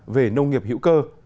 về nông nghiệp hữu cơ